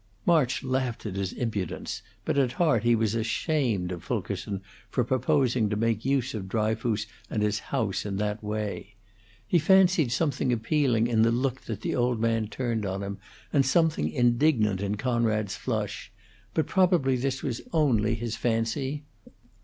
March laughed at his impudence, but at heart he was ashamed of Fulkerson for proposing to make use of Dryfoos and his house in that way. He fancied something appealing in the look that the old man turned on him, and something indignant in Conrad's flush; but probably this was only his fancy.